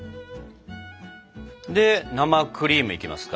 で生クリームいきますか？